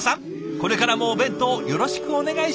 これからもお弁当よろしくお願いします！